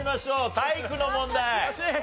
体育の問題。